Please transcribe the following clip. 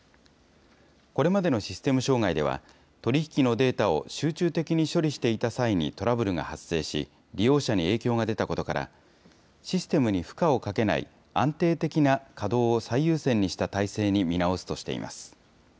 これまでのシステム障害では、取り引きのデータを集中的に処理していた際にトラブルが発生し、利用者に影響が出たことから、システムに負荷をかけない安定的な稼働を最優先にした体制に見直すとしています。